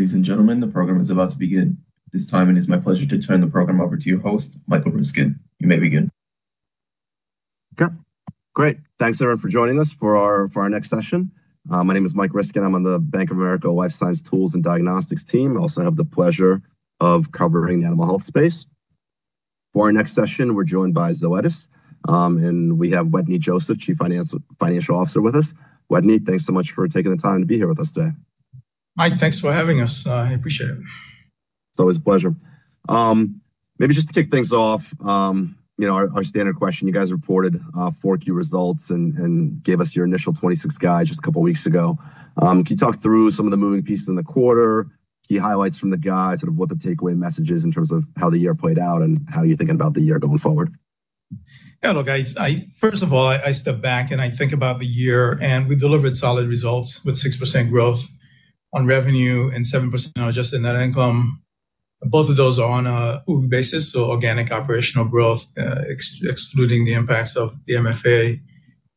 Ladies and gentlemen, the program is about to begin. At this time, it is my pleasure to turn the program over to your host, Michael Ryskin. You may begin. Okay, great. Thanks, everyone, for joining us for our next session. My name is Mike Ryskin. I'm on the Bank of America Life Science Tools and Diagnostics team. I also have the pleasure of covering the animal health space. For our next session, we're joined by Zoetis, and we have Wetteny Joseph, Chief Financial Officer with us. Wetteny, thanks so much for taking the time to be here with us today. Mike, thanks for having us. I appreciate it. It's always a pleasure. Maybe just to kick things off, you know, our standard question, you guys reported, 4Q results and gave us your initial 2026 guide just a couple of weeks ago. Can you talk through some of the moving pieces in the quarter, key highlights from the guide, sort of what the takeaway message is in terms of how the year played out, and how you're thinking about the year going forward? Yeah, look, first of all, I step back, I think about the year, we delivered solid results with 6% growth on revenue and 7% adjusted net income. Both of those are on a OOB basis, so organic operational growth, excluding the impacts of the MFA,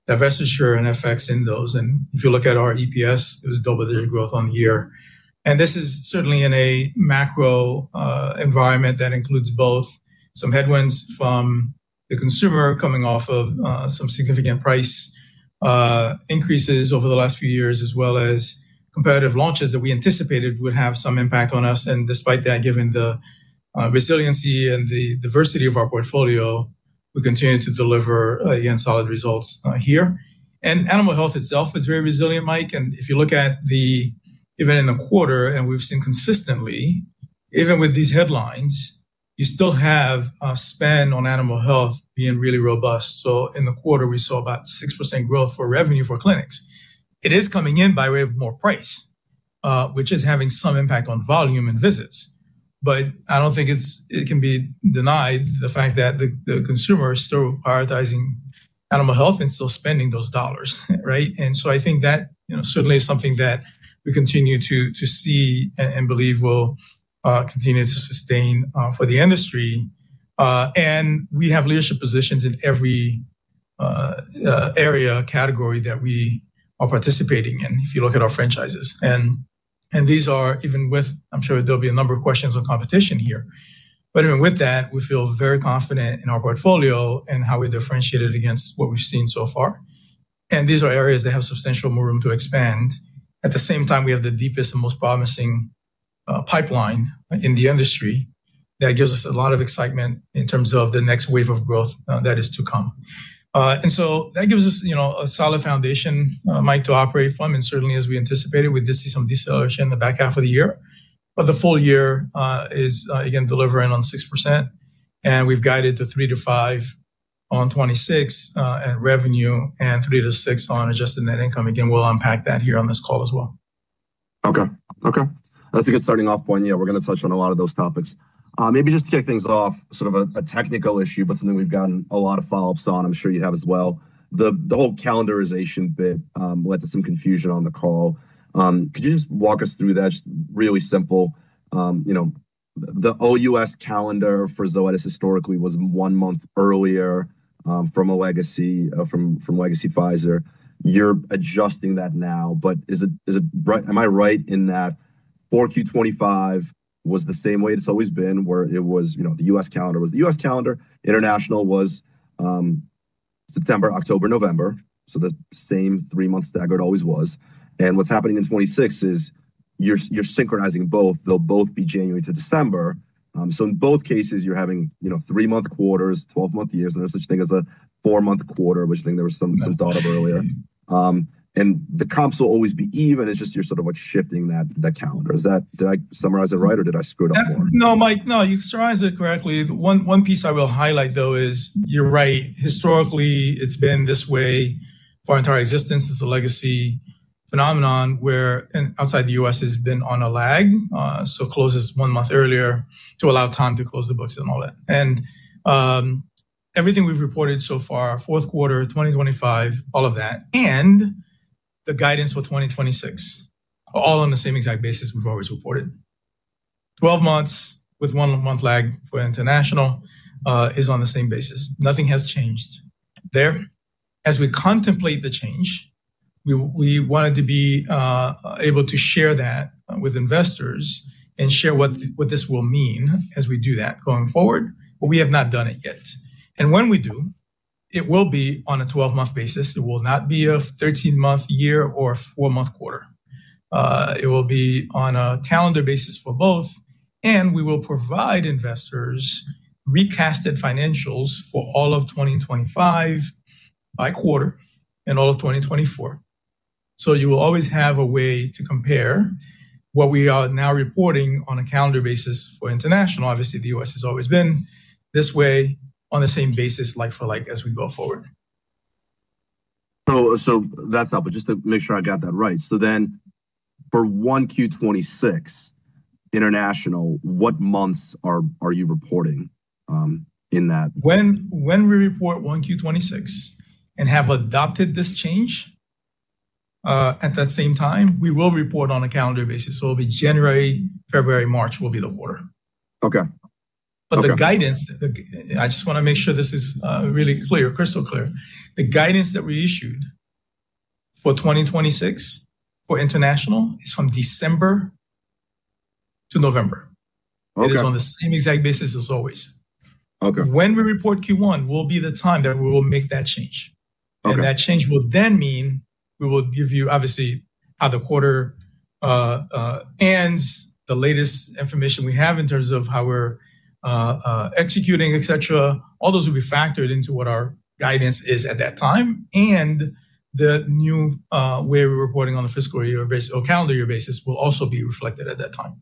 divestiture, and effects in those. If you look at our EPS, it was double-digit growth on the year. This is certainly in a macro environment that includes both some headwinds from the consumer coming off of some significant price increases over the last few years, as well as competitive launches that we anticipated would have some impact on us. Despite that, given the resiliency and the diversity of our portfolio, we continue to deliver again, solid results here. Animal health itself is very resilient, Mike, and if you look at even in the quarter, and we've seen consistently, even with these headlines, you still have a spend on animal health being really robust. In the quarter, we saw about 6% growth for revenue for clinics. It is coming in by way of more price, which is having some impact on volume and visits. I don't think it can be denied, the fact that the consumer is still prioritizing animal health and still spending those dollars, right? I think that, you know, certainly is something that we continue to see and believe will continue to sustain for the industry. We have leadership positions in every area, category that we are participating in, if you look at our franchises. These are even with, I'm sure there'll be a number of questions on competition here. Even with that, we feel very confident in our portfolio and how we differentiate it against what we've seen so far. These are areas that have substantial more room to expand. At the same time, we have the deepest and most promising pipeline in the industry. That gives us a lot of excitement in terms of the next wave of growth that is to come. That gives us, you know, a solid foundation, Mike, to operate from, and certainly as we anticipated, we did see some deceleration in the back half of the year. The full year, is again, delivering on 6%, and we've guided to 3%-5% on 2026, at revenue, and 3%-6% on adjusted net income. Again, we'll unpack that here on this call as well. Okay. Okay, that's a good starting off point. We're going to touch on a lot of those topics. Maybe just to kick things off, sort of a technical issue, but something we've gotten a lot of follow-ups on, I'm sure you have as well. The whole calendarization bit led to some confusion on the call. Could you just walk us through that, just really simple? You know, the old U.S. calendar for Zoetis historically was 1 month earlier from a legacy from legacy Pfizer. You're adjusting that now, but am I right in that 4Q 2025 was the same way it's always been, where it was, you know, the U.S. calendar was the U.S. calendar, international was September, October, November? The same 3-month staggered it always was. What's happening in 26 is you're synchronizing both. They'll both be January to December. In both cases, you're having, you know, 3-month quarters, 12-month years, and there's no such thing as a 4-month quarter, which I think there was some thought of earlier. The comps will always be even. It's just you're sort of like shifting the calendar. Is that, did I summarize it right, or did I screw it up more? No, Mike. No, you summarized it correctly. One piece I will highlight, though, is you're right. Historically, it's been this way for our entire existence. It's a legacy phenomenon where and outside the U.S., it's been on a lag, so close as one month earlier to allow time to close the books and all that. Everything we've reported so far, fourth quarter, 2025, all of that, and the guidance for 2026, are all on the same exact basis we've always reported. 12 months with one month lag for international, is on the same basis. Nothing has changed there. As we contemplate the change, we wanted to be able to share that with investors and share what this will mean as we do that going forward, but we have not done it yet. When we do, it will be on a 12-month basis. It will not be a 13-month year or a 4-month quarter. It will be on a calendar basis for both, and we will provide investors recasted financials for all of 2025 by quarter and all of 2024. You will always have a way to compare what we are now reporting on a calendar basis for international. Obviously, the U.S. has always been this way on the same basis, like for like, as we go forward. That's helpful. Just to make sure I got that right. For 1 Q 2026 international, what months are you reporting in that? When we report 1Q 2026 and have adopted this change, at that same time, we will report on a calendar basis, so it'll be January, February, March will be the quarter. Okay. Okay. The guidance, I just want to make sure this is really clear, crystal clear. The guidance that we issued for 2026, for international, it's from December to November. Okay. It is on the same exact basis as always. Okay. When we report Q1 will be the time that we will make that change. Okay. That change will then mean we will give you obviously, how the quarter ends, the latest information we have in terms of how we're executing, et cetera. All those will be factored into what our guidance is at that time, and the new way we're reporting on the fiscal year basis or calendar year basis will also be reflected at that time.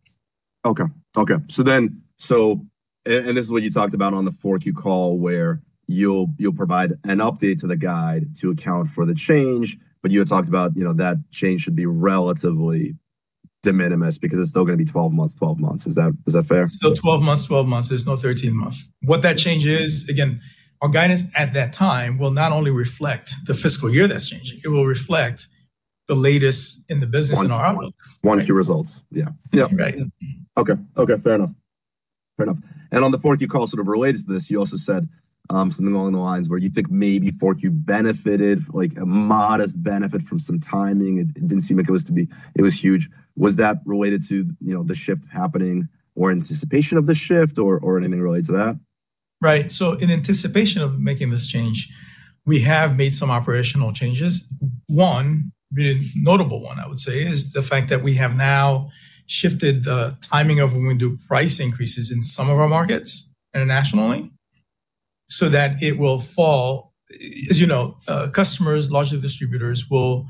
Okay. Okay. This is what you talked about on the 4Q call, where you'll provide an update to the guide to account for the change, but you had talked about, you know, that change should be relatively de minimis because it's still gonna be 12 months. Is that, is that fair? Still 12 months, there's no 13th month. What that change is, again, our guidance at that time will not only reflect the fiscal year that's changing, it will reflect the latest in the business and our outlook. One, Q results. Yeah. Yeah. Right. Okay. Okay, fair enough. Fair enough. On the 4Q call, sort of related to this, you also said, something along the lines where you think maybe fourth Q benefited, like a modest benefit from some timing. It didn't seem like it was huge. Was that related to, you know, the shift happening or anticipation of the shift or anything related to that? In anticipation of making this change, we have made some operational changes. One, the notable one I would say, is the fact that we have now shifted the timing of when we do price increases in some of our markets internationally, so that it will fall, as you know, customers, largely distributors, will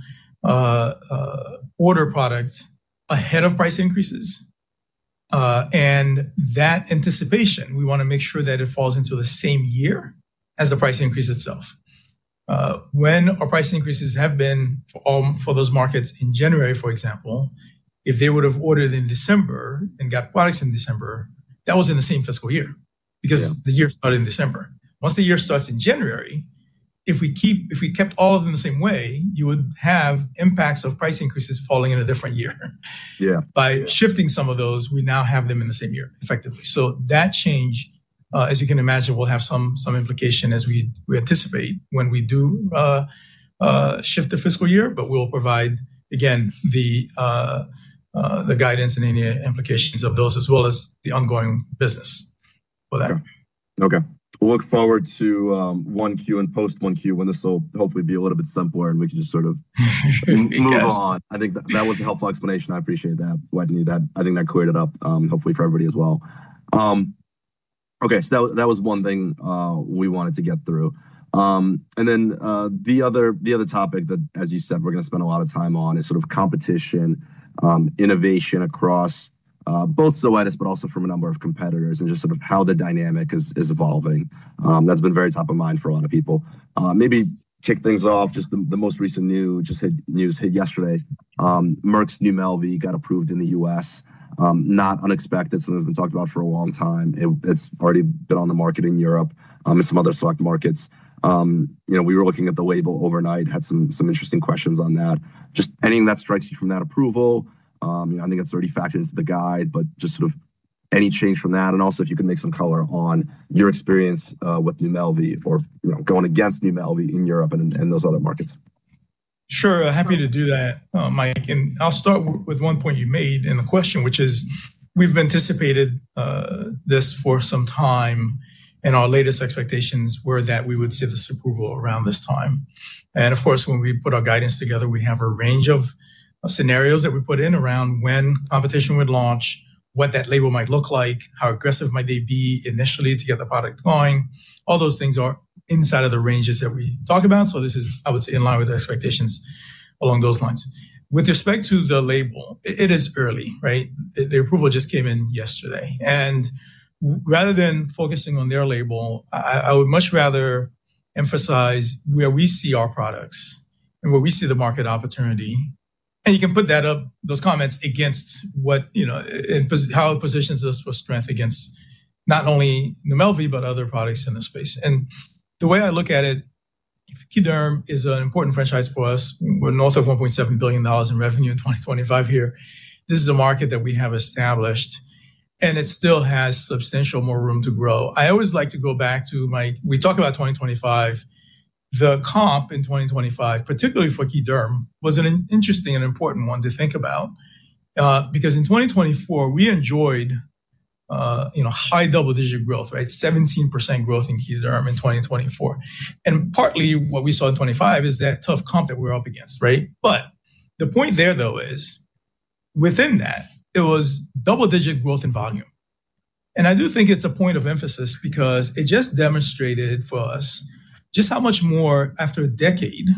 order product ahead of price increases, and that anticipation, we wanna make sure that it falls into the same year as the price increase itself. When our price increases have been for those markets in January, for example, if they would have ordered in December and got products in December, that was in the same fiscal year, because the year started in December. Once the year starts in January, if we kept all of them the same way, you would have impacts of price increases falling in a different year. Yeah. By shifting some of those, we now have them in the same year, effectively. That change, as you can imagine, will have some implication as we anticipate when we do shift the fiscal year, but we'll provide, again, the guidance and any implications of those, as well as the ongoing business for that. Okay. We look forward to, 1Q and post 1Q, when this will hopefully be a little bit simpler and we can just sort of, move on. I think that was a helpful explanation. I appreciate that, Wetteny. I think that cleared it up, hopefully for everybody as well. Okay, that was one thing we wanted to get through. The other, the other topic that, as you said, we're gonna spend a lot of time on is sort of competition, innovation across both Zoetis, but also from a number of competitors, and just sort of how the dynamic is evolving. That's been very top of mind for a lot of people. Maybe kick things off, just the most recent news hit yesterday, Merck's NUMELVI got approved in the U.S. Not unexpected, something that's been talked about for a long time. It's already been on the market in Europe, and some other select markets. You know, we were looking at the label overnight, had some interesting questions on that. Just anything that strikes you from that approval, and I think it's already factored into the guide, but just sort of any change from that, and also if you can make some color on your experience with NUMELVI or, you know, going against NUMELVI in Europe and those other markets. Sure, happy to do that, Mike, I'll start with one point you made in the question, which is, we've anticipated this for some time, and our latest expectations were that we would see this approval around this time. Of course, when we put our guidance together, we have a range of scenarios that we put in around when competition would launch, what that label might look like, how aggressive might they be initially to get the product going. All those things are inside of the ranges that we talk about, so this is, I would say, in line with the expectations along those lines. With respect to the label, it is early, right? The approval just came in yesterday, and rather than focusing on their label, I would much rather emphasize where we see our products and where we see the market opportunity. You can put that up, those comments, against what, you know, how it positions us for strength against not only NUMELVI, but other products in this space. The way I look at it, KeyDerm is an important franchise for us. We're north of $1.7 billion in revenue in 2025 here. This is a market that we have established, and it still has substantial more room to grow. I always like to go back to we talk about 2025, the comp in 2025, particularly for KeyDerm, was an interesting and important one to think about, because in 2024, we enjoyed, you know, high double-digit growth, right? 17% growth in KeyDerm in 2024. Partly, what we saw in 25 is that tough comp that we're up against, right? The point there, though, is within that, there was double-digit growth in volume. I do think it's a point of emphasis because it just demonstrated for us just how much more, after a decade,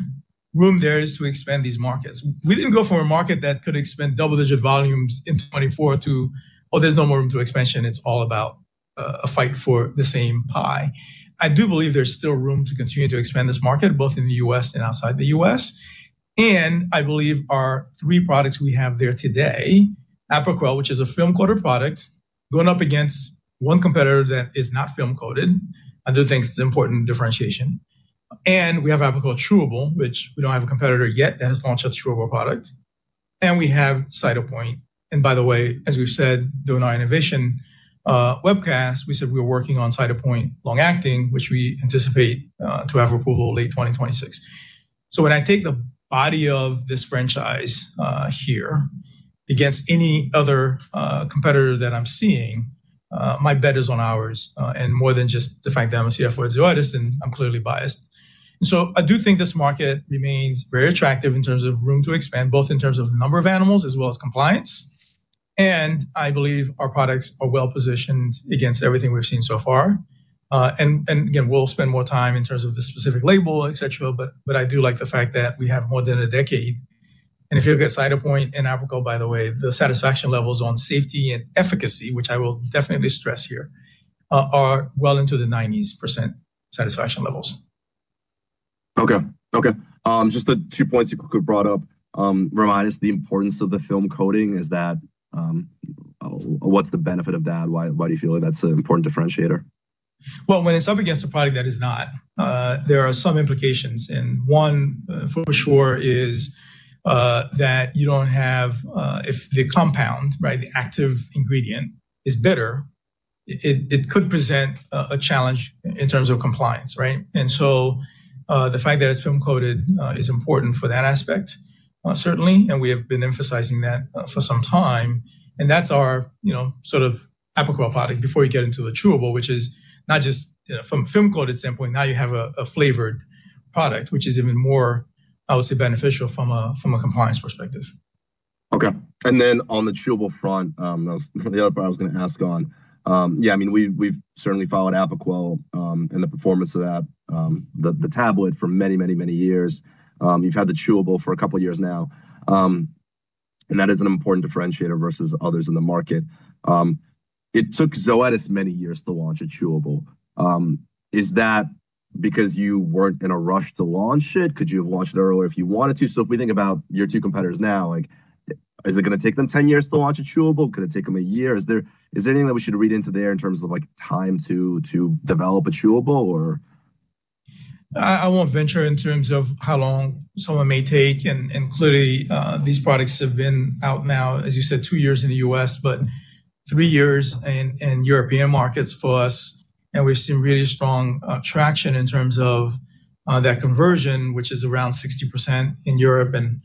room there is to expand these markets. We didn't go from a market that could expand double-digit volumes in 24 to, "Oh, there's no more room to expansion, it's all about a fight for the same pie." I do believe there's still room to continue to expand this market, both in the US and outside the US, and I believe our three products we have there today, Apoquel, which is a film-coated product, going up against one competitor that is not film-coated. I do think it's an important differentiation. We have Apoquel Chewable, which we don't have a competitor yet that has launched a chewable product. We have Cytopoint. By the way, as we've said during our innovation webcast, we said we were working on Cytopoint long-acting, which we anticipate to have approval late 2026. When I take the body of this franchise, here, against any other competitor that I'm seeing, my bet is on ours, and more than just the fact that I'm a CFO at Zoetis, and I'm clearly biased. I do think this market remains very attractive in terms of room to expand, both in terms of number of animals as well as compliance. I believe our products are well-positioned against everything we've seen so far. Again, we'll spend more time in terms of the specific label, etc., but I do like the fact that we have more than a decade. If you look at Cytopoint and Apoquel, by the way, the satisfaction levels on safety and efficacy, which I will definitely stress here, are well into the 90% satisfaction levels. Okay. Okay, just the two points you quickly brought up, remind us the importance of the film coating. Is that, what's the benefit of that? Why do you feel like that's an important differentiator? Well, when it's up against a product that is not, there are some implications, and one for sure is, that you don't have... If the compound, right, the active ingredient is better, it could present a challenge in terms of compliance, right? The fact that it's film-coated, is important for that aspect, certainly, and we have been emphasizing that, for some time. That's our, you know, sort of Apoquel product before you get into the chewable, which is not just, you know, from film-coated standpoint, now you have a flavored product, which is even more, I would say, beneficial from a, from a compliance perspective. Okay. On the chewable front, that was the other part I was going to ask on. I mean, we've certainly followed Apoquel Chewable and the performance of that, the tablet for many years. You've had the chewable for 2 years now, and that is an important differentiator versus others in the market. It took Zoetis many years to launch a chewable. Is that because you weren't in a rush to launch it? Could you have launched it earlier if you wanted to? If we think about your 2 competitors now, like, is it going to take them 10 years to launch a chewable? Could it take them 1 year? Is there anything that we should read into there in terms of, like, time to develop a chewable or? I won't venture in terms of how long someone may take, Clearly, these products have been out now, as you said, two years in the U.S., but three years in European markets for us, and we've seen really strong traction in terms of that conversion, which is around 60% in Europe and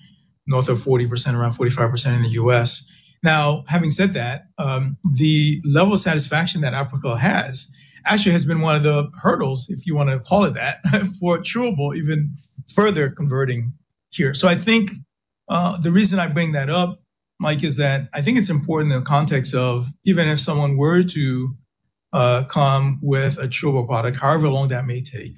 north of 40%, around 45% in the U.S. Having said that, the level of satisfaction that Apoquel has been one of the hurdles, if you want to call it that, for chewable, even further converting here. I think the reason I bring that up, Mike, is that I think it's important in the context of even if someone were to come with a chewable product, however long that may take,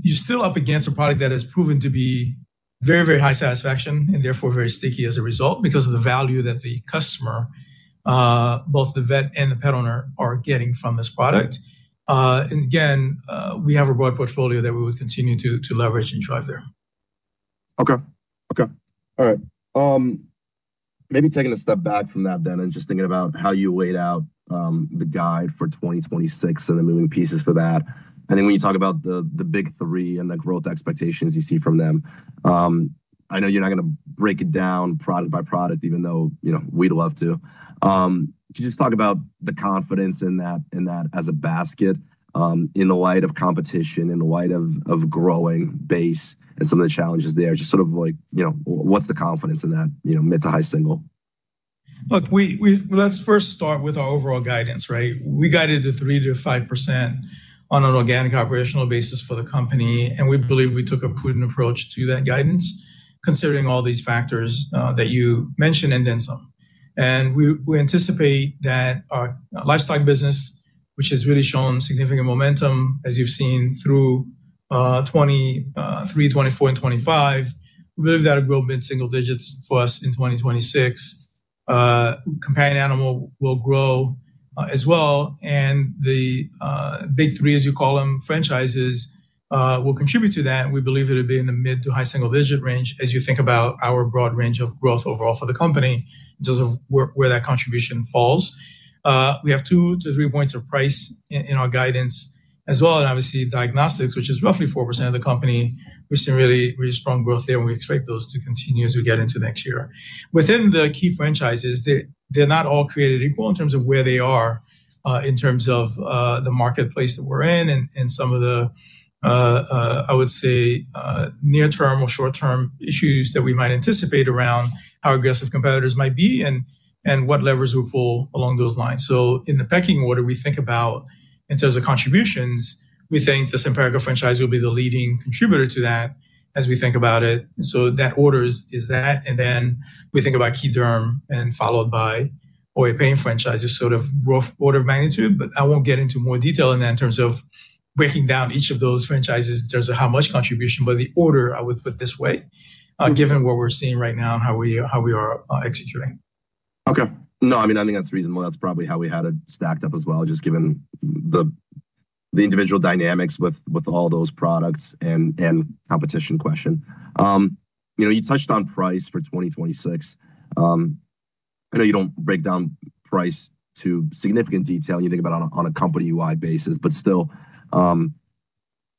you're still up against a product that has proven to be very, very high satisfaction and therefore very sticky as a result because of the value that the customer, both the vet and the pet owner, are getting from this product. And again, we have a broad portfolio that we will continue to leverage and drive there. Okay. Okay. All right. Maybe taking a step back from that then, and just thinking about how you weighed out the guide for 2026 and the moving pieces for that. I think when you talk about the big three and the growth expectations you see from them, I know you're not going to break it down product by product, even though, you know, we'd love to. Could you just talk about the confidence in that, in that as a basket, in the light of competition, in the light of growing base and some of the challenges there are just sort of like, you know, what's the confidence in that, you know, mid to high single? Look, let's first start with our overall guidance, right? We guided to 3%-5% on an organic operational basis for the company, and we believe we took a prudent approach to that guidance, considering all these factors that you mentioned and then some. We anticipate that our livestock business, which has really shown significant momentum, as you've seen through 2023, 2024, and 2025, we believe that'll grow mid-single digits for us in 2026. Companion animal will grow as well, the big three, as you call them, franchises, will contribute to that. We believe it'll be in the mid to high single-digit range as you think about our broad range of growth overall for the company in terms of where that contribution falls. We have 2-3 points of price in our guidance as well. Obviously diagnostics, which is roughly 4% of the company. We've seen really strong growth there, and we expect those to continue as we get into next year. Within the key franchises, they're not all created equal in terms of where they are, in terms of the marketplace that we're in and some of the, I would say, near-term or short-term issues that we might anticipate around how aggressive competitors might be and what levers we pull along those lines. In the pecking order, we think about, in terms of contributions, we think the Simparica franchise will be the leading contributor to that as we think about it. That order is that, and then we think about KeyDerm and followed by our pain franchises, sort of rough order of magnitude. I won't get into more detail in that in terms of breaking down each of those franchises in terms of how much contribution, but the order I would put this way, given what we're seeing right now and how we, how we are, executing. Okay. No, I mean, I think that's reasonable. That's probably how we had it stacked up as well, just given the individual dynamics with all those products and competition question. You know, you touched on price for 2026. I know you don't break down price to significant detail. You think about it on a, on a company-wide basis, but still.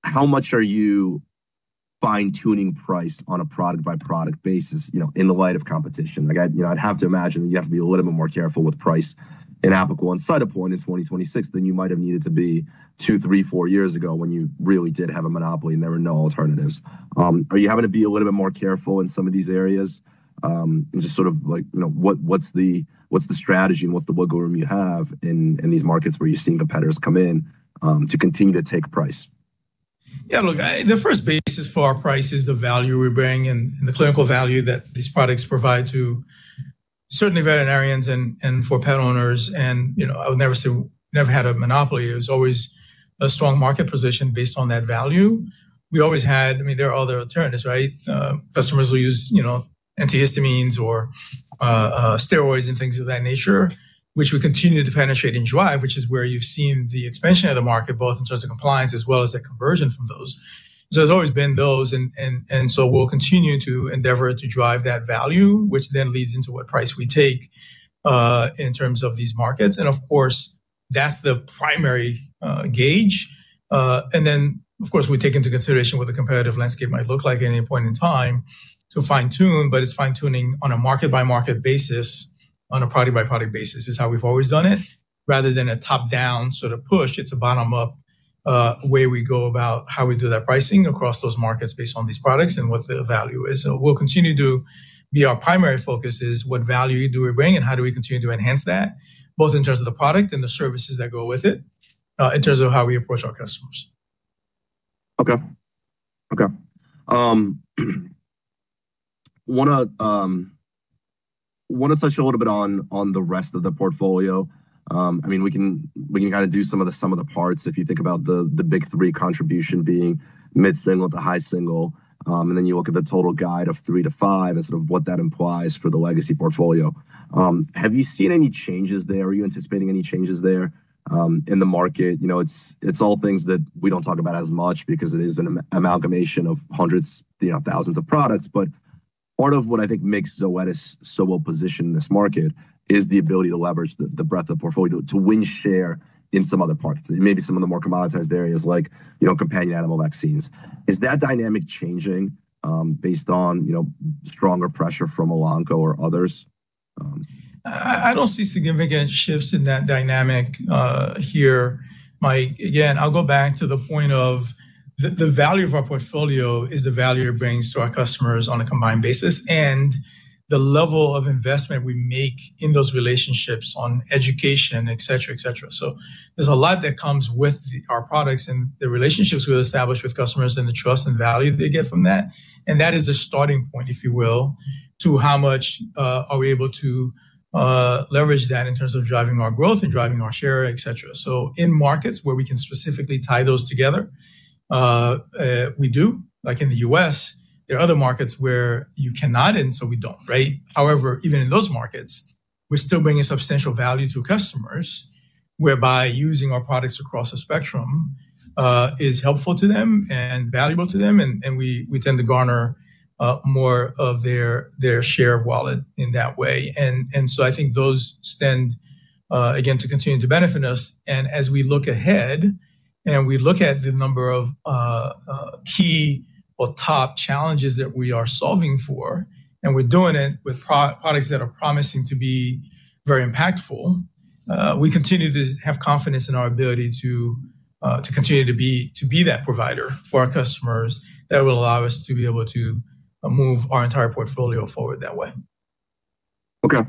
How much are you fine-tuning price on a product-by-product basis, you know, in the light of competition? Like, I, you know, I'd have to imagine that you have to be a little bit more careful with price in Apoquel and Cytopoint in 2026 than you might have needed to be two, three, four years ago when you really did have a monopoly and there were no alternatives. Are you having to be a little bit more careful in some of these areas? Just sort of like, you know, what's the strategy and what's the wiggle room you have in these markets where you're seeing competitors come in, to continue to take price? Look, the first basis for our price is the value we bring and the clinical value that these products provide to certainly veterinarians and for pet owners. You know, I would never say we never had a monopoly. It was always a strong market position based on that value. We always had, I mean, there are other alternatives, right? Customers will use, you know, antihistamines or steroids and things of that nature, which we continue to penetrate and drive, which is where you've seen the expansion of the market, both in terms of compliance as well as the conversion from those. There's always been those, and so we'll continue to endeavor to drive that value, which then leads into what price we take in terms of these markets. Of course, that's the primary gauge. Of course, we take into consideration what the competitive landscape might look like at any point in time to fine-tune, but it's fine-tuning on a market-by-market basis, on a product-by-product basis, is how we've always done it. Rather than a top-down sort of push, it's a bottom-up way we go about how we do that pricing across those markets based on these products and what the value is. We'll continue to be our primary focus, is what value do we bring, and how do we continue to enhance that, both in terms of the product and the services that go with it, in terms of how we approach our customers. Okay. Okay. Wanna touch a little bit on the rest of the portfolio. I mean, we can kinda do some of the parts if you think about the big three contribution being mid-single to high single. Then you look at the total guide of 3%-5% and sort of what that implies for the legacy portfolio. Have you seen any changes there, or are you anticipating any changes there in the market? You know, it's all things that we don't talk about as much because it is an amalgamation of hundreds, you know, thousands of products. Part of what I think makes Zoetis so well-positioned in this market is the ability to leverage the breadth of portfolio to win share in some other parts, maybe some of the more commoditized areas like, you know, companion animal vaccines. Is that dynamic changing, based on, you know, stronger pressure from Elanco or others? I don't see significant shifts in that dynamic here. Again, I'll go back to the point of the value of our portfolio is the value it brings to our customers on a combined basis, and the level of investment we make in those relationships on education, et cetera, et cetera. There's a lot that comes with the, our products and the relationships we establish with customers and the trust and value they get from that, and that is the starting point, if you will, to how much are we able to leverage that in terms of driving our growth and driving our share, et cetera. In markets where we can specifically tie those together, we do, like in the US, there are other markets where you cannot, and so we don't, right? Even in those markets, we're still bringing substantial value to customers, whereby using our products across the spectrum, is helpful to them and valuable to them, and we tend to garner, more of their share of wallet in that way. I think those stand, again, to continue to benefit us. As we look ahead and we look at the number of, key or top challenges that we are solving for, and we're doing it with products that are promising to be very impactful, we continue to have confidence in our ability to continue to be that provider for our customers. That will allow us to be able to, move our entire portfolio forward that way. Okay.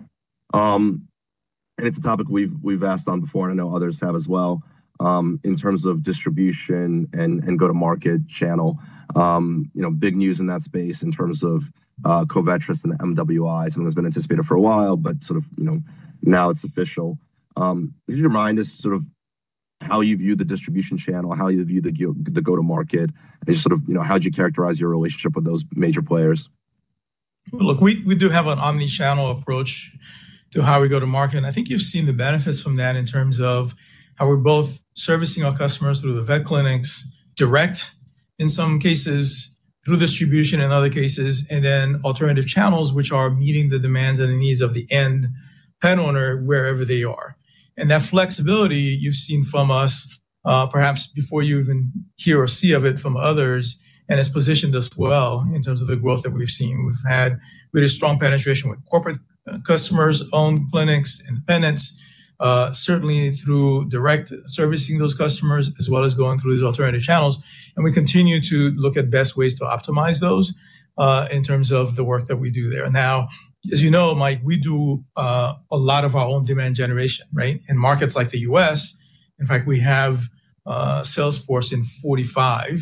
It's a topic we've asked on before, and I know others have as well, in terms of distribution and go-to-market channel. You know, big news in that space in terms of Covetrus and MWI, something that's been anticipated for a while, but sort of, you know, now it's official. Could you remind us sort of how you view the distribution channel, how you view the go-to market, and just sort of, you know, how do you characterize your relationship with those major players? Look, we do have an omni-channel approach to how we go to market, and I think you've seen the benefits from that in terms of how we're both servicing our customers through the vet clinics, direct in some cases, through distribution in other cases, and then alternative channels, which are meeting the demands and the needs of the end pet owner wherever they are. That flexibility you've seen from us, perhaps before you even hear or see of it from others, and it's positioned us well in terms of the growth that we've seen. We've had really strong penetration with corporate customers, owned clinics, independents, certainly through direct servicing those customers, as well as going through these alternative channels, and we continue to look at best ways to optimize those in terms of the work that we do there. Now, as you know, Mike, we do a lot of our own demand generation, right? In markets like the U.S., in fact, we have salesforce in 45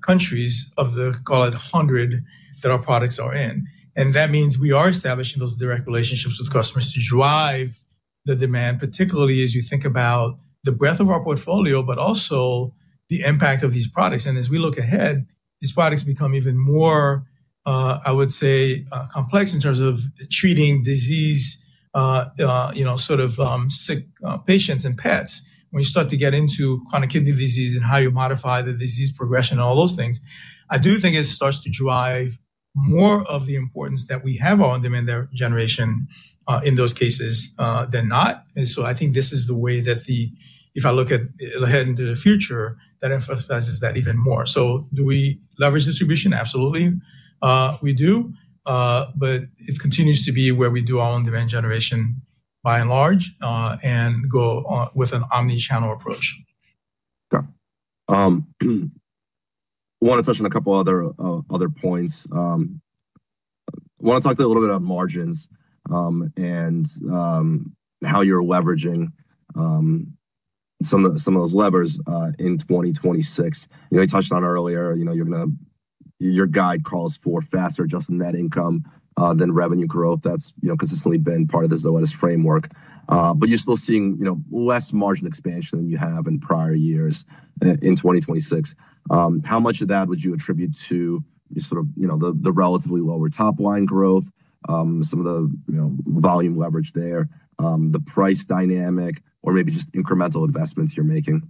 countries of the, call it 100, that our products are in. That means we are establishing those direct relationships with customers to drive the demand, particularly as you think about the breadth of our portfolio, but also the impact of these products. As we look ahead, these products become even more, I would say, complex in terms of treating disease, you know, sort of, sick patients and pets. When you start to get into chronic kidney disease and how you modify the disease progression and all those things, I do think it starts to drive more of the importance that we have on-demand generation in those cases than not. I think this is the way that if I look at ahead into the future, that emphasizes that even more. Do we leverage distribution? Absolutely, we do. It continues to be where we do all on-demand generation by and large, and go on with an omni-channel approach. Okay. I want to touch on a couple other points. I want to talk a little bit about margins, and how you're leveraging some of those levers in 2026. You know, you touched on earlier, you know, your guide calls for faster adjusted net income than revenue growth. That's, you know, consistently been part of the Zoetis framework, but you're still seeing, you know, less margin expansion than you have in prior years in 2026. How much of that would you attribute to sort of, you know, the relatively lower top line growth, some of the, you know, volume leverage there, the price dynamic or maybe just incremental investments you're making?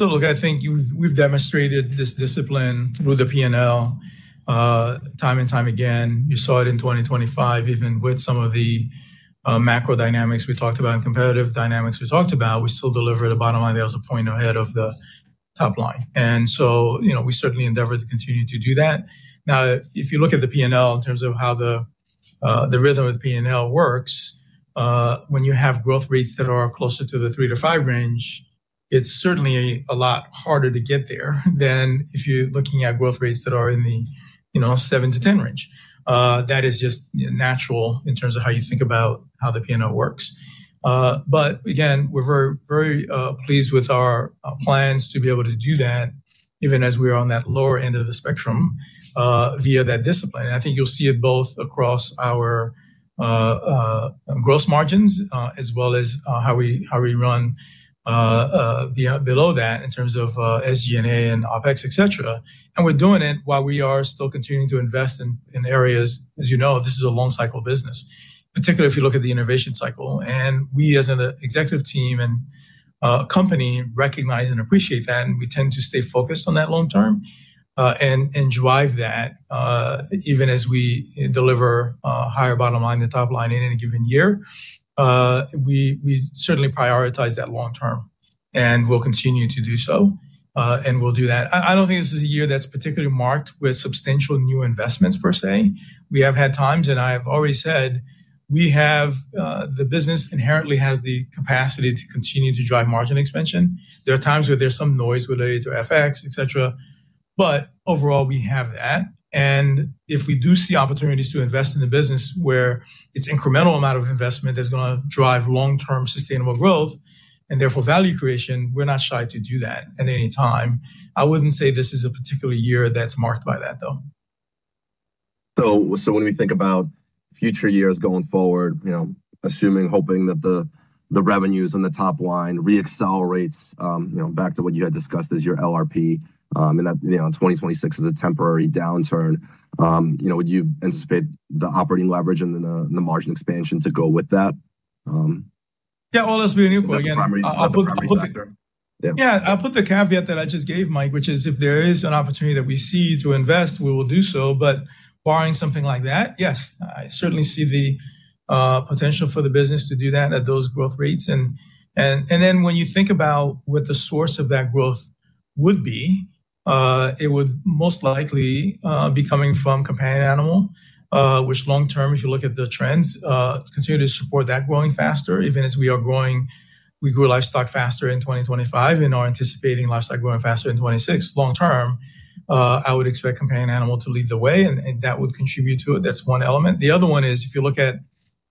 Look, I think we've demonstrated this discipline through the P&L, time and time again. You saw it in 2025. Even with some of the macro dynamics we talked about and competitive dynamics we talked about, we still delivered a bottom line. There was a point ahead of the top line, you know, we certainly endeavor to continue to do that. Now, if you look at the P&L in terms of how the rhythm of the P&L works, when you have growth rates that are closer to the 3-5% range, it's certainly a lot harder to get there than if you're looking at growth rates that are in the, you know, 7-10% range. That is just natural in terms of how you think about how the P&L works. Again, we're very, very pleased with our plans to be able to do that, even as we are on that lower end of the spectrum, via that discipline. I think you'll see it both across our gross margins, as well as how we run below that in terms of SG&A and OpEx, et cetera. We're doing it while we are still continuing to invest in areas. As you know, this is a long cycle business, particularly if you look at the innovation cycle. We, as an executive team and company, recognize and appreciate that, and we tend to stay focused on that long term, and drive that, even as we deliver higher bottom line and top line in any given year. We certainly prioritize that long term, we'll continue to do so, we'll do that. I don't think this is a year that's particularly marked with substantial new investments per se. We have had times, I have already said, we have the business inherently has the capacity to continue to drive margin expansion. There are times where there's some noise related to FX, et cetera, overall, we have that, if we do see opportunities to invest in the business where it's incremental amount of investment that's gonna drive long-term sustainable growth and therefore value creation, we're not shy to do that at any time. I wouldn't say this is a particular year that's marked by that, though. When we think about future years going forward, you know, assuming, hoping that the revenues on the top line re-accelerates, you know, back to what you had discussed as your LRP, and that, you know, 2026 is a temporary downturn, you know, would you anticipate the operating leverage and the margin expansion to go with that? Yeah, all else being equal again... The primary factor. Yeah. Yeah, I'll put the caveat that I just gave, Mike, which is if there is an opportunity that we see to invest, we will do so. Barring something like that, yes, I certainly see the potential for the business to do that at those growth rates. Then when you think about what the source of that growth would be, it would most likely be coming from companion animal, which long term, if you look at the trends, continue to support that growing faster, even as we are growing, we grew livestock faster in 2025 and are anticipating livestock growing faster in 2026. Long term, I would expect companion animal to lead the way, and that would contribute to it. That's one element. The other one is, if you look at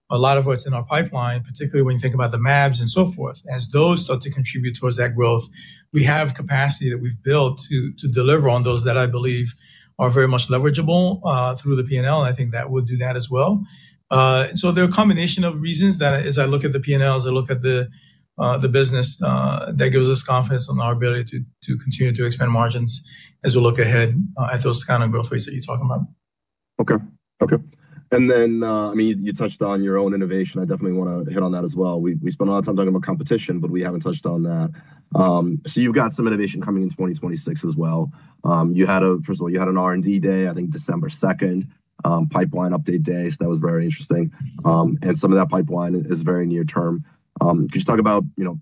a lot of what's in our pipeline, particularly when you think about the mAbs and so forth, as those start to contribute towards that growth, we have capacity that we've built to deliver on those that I believe are very much leverageable through the P&L, and I think that would do that as well. There are a combination of reasons that as I look at the P&L, as I look at the business, that gives us confidence on our ability to continue to expand margins as we look ahead at those kind of growth rates that you're talking about. Okay. Okay. I mean, you touched on your own innovation. I definitely want to hit on that as well. We spent a lot of time talking about competition, but we haven't touched on that. You've got some innovation coming in 2026 as well. First of all, you had an R&D day, I think December 2nd, pipeline update day. That was very interesting. Some of that pipeline is very near term. Can you just talk about, you know,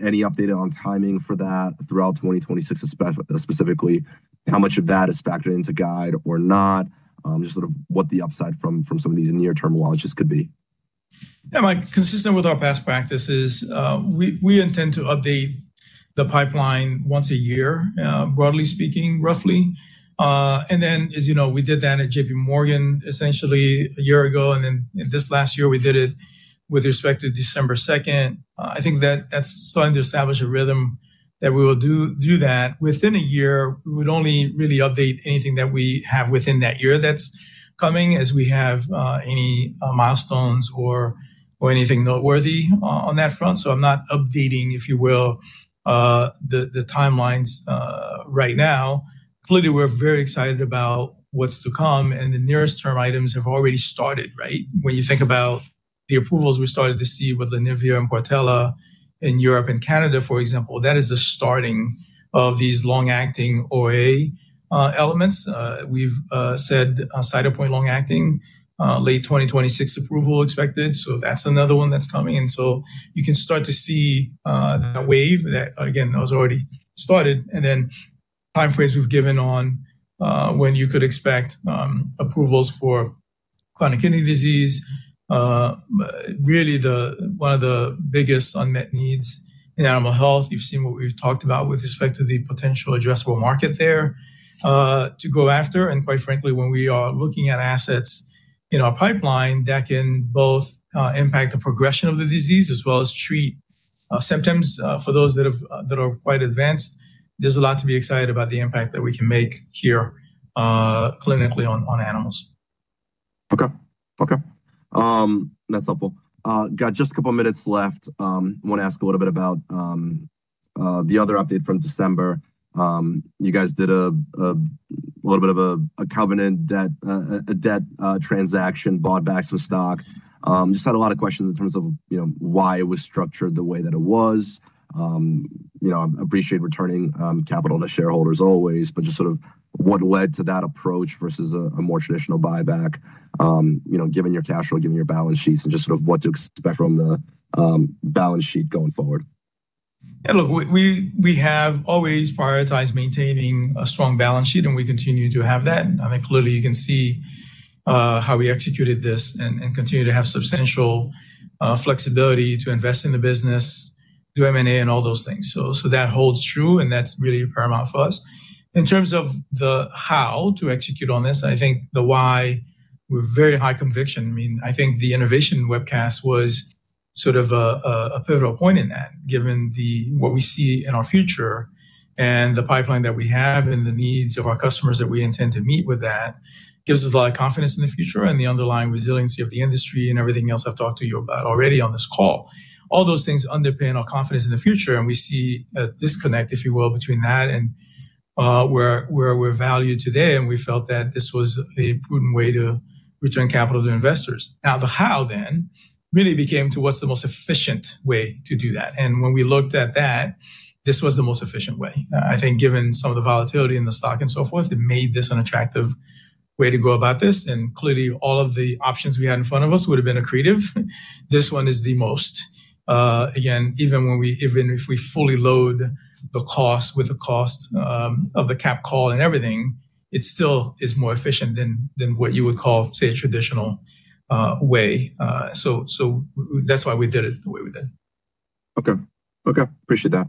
any update on timing for that throughout 2026, specifically, how much of that is factored into guide or not? Just sort of what the upside from some of these near-term launches could be. Yeah, Mike, consistent with our best practices, we intend to update the pipeline once a year, broadly speaking, roughly. As you know, we did that at JPMorgan, essentially a year ago, and then this last year we did it with respect to December 2nd. I think that that's starting to establish a rhythm that we will do that within a year. We would only really update anything that we have within that year that's coming as we have any milestones or anything noteworthy on that front. I'm not updating, if you will, the timelines, right now. Clearly, we're very excited about what's to come, and the nearest term items have already started, right? When you think about. the approvals we started to see with the Lenivia and Portela in Europe and Canada, for example, that is the starting of these long-acting OA elements. We've said Cytopoint long-acting late 2026 approval expected, so that's another one that's coming in. You can start to see that wave that, again, that was already started, then time frames we've given on when you could expect approvals for chronic kidney disease. Really, one of the biggest unmet needs in animal health, you've seen what we've talked about with respect to the potential addressable market there to go after, quite frankly, when we are looking at assets in our pipeline, that can both impact the progression of the disease as well as treat symptoms for those that are quite advanced. There's a lot to be excited about the impact that we can make here, clinically, on animals. Okay. Okay, that's helpful. Got just a couple of minutes left. I want to ask a little bit about the other update from December. You guys did a little bit of a covenant debt, a debt transaction, bought back some stock. Just had a lot of questions in terms of, you know, why it was structured the way that it was. You know, I appreciate returning capital to shareholders always, but just sort of what led to that approach versus a more traditional buyback, you know, given your cash flow, given your balance sheets, and just sort of what to expect from the balance sheet going forward. Look, we have always prioritized maintaining a strong balance sheet, and we continue to have that. I think clearly you can see how we executed this and continue to have substantial flexibility to invest in the business, do M&A, and all those things. That holds true, and that's really paramount for us. In terms of the how to execute on this, I think the why, we're very high conviction. I mean, I think the innovation webcast was sort of a pivotal point in that, given what we see in our future and the pipeline that we have and the needs of our customers that we intend to meet with that, gives us a lot of confidence in the future and the underlying resiliency of the industry and everything else I've talked to you about already on this call. All those things underpin our confidence in the future, we see a disconnect, if you will, between that and where we're valued today, we felt that this was a prudent way to return capital to investors. The how then really became to what's the most efficient way to do that? When we looked at that, this was the most efficient way. I think given some of the volatility in the stock and so forth, it made this an attractive way to go about this, clearly, all of the options we had in front of us would have been accretive. This one is the most. Again, even if we fully load the cost with the cost of the capped call and everything, it still is more efficient than what you would call, say, a traditional way. That's why we did it the way we did. Okay. Okay, appreciate that.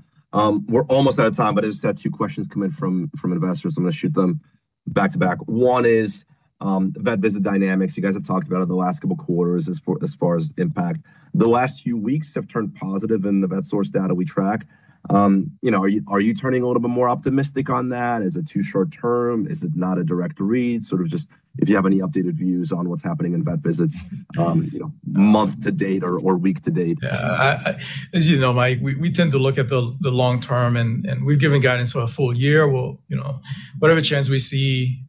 We're almost out of time. I just had 2 questions come in from investors, I'm going to shoot them back to back. One is, vet visit dynamics. You guys have talked about it the last couple of quarters as far as impact. The last few weeks have turned positive in the Vetsource data we track. You know, are you turning a little bit more optimistic on that? Is it too short term? Is it not a direct read? Sort of just if you have any updated views on what's happening in vet visits, you know, month to date or week to date. I, as you know, Mike, we tend to look at the long term, and we've given guidance for a full year. Well, you know, whatever trends we see,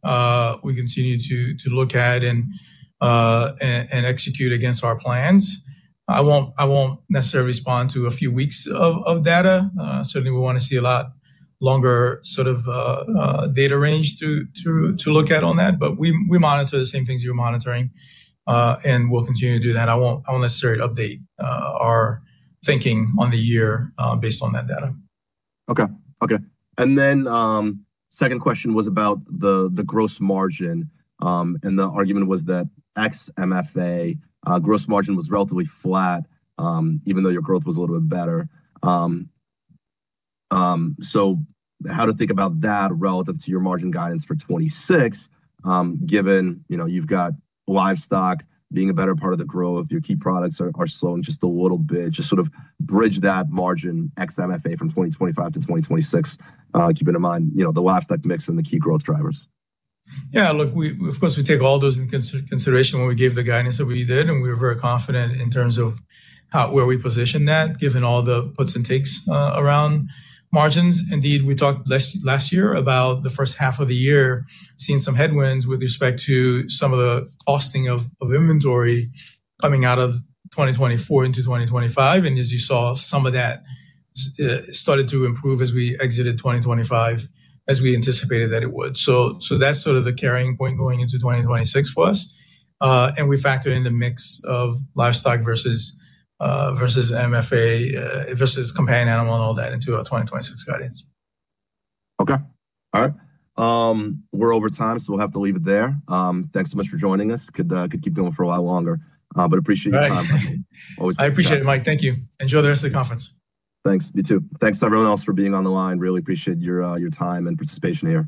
we continue to look at and execute against our plans. I won't necessarily respond to a few weeks of data. Certainly, we want to see a lot longer sort of data range to look at on that, but we monitor the same things you're monitoring, and we'll continue to do that. I won't necessarily update our thinking on the year based on that data. Okay, then, second question was about the gross margin, and the argument was that ex MFA, gross margin was relatively flat, even though your growth was a little bit better. How to think about that relative to your margin guidance for 2026, given, you know, you've got livestock being a better part of the growth, your key products are slowing just a little bit. Sort of bridge that margin ex MFA from 2025 to 2026, keeping in mind, you know, the livestock mix and the key growth drivers. Look, of course, we take all those in consideration when we gave the guidance that we did, and we were very confident in terms of where we positioned that, given all the puts and takes around margins. We talked last year about the first half of the year seeing some headwinds with respect to some of the costing of inventory coming out of 2024 into 2025, and as you saw, some of that started to improve as we exited 2025, as we anticipated that it would. That's sort of the carrying point going into 2026 for us, and we factor in the mix of livestock versus MFA versus companion animal and all that into our 2026 guidance. Okay. All right, we're over time, so we'll have to leave it there. Thanks so much for joining us. Could keep going for a while longer, but appreciate your time. I appreciate it, Mike. Thank you. Enjoy the rest of the conference. Thanks, you too. Thanks, everyone else, for being on the line. Really appreciate your time and participation here.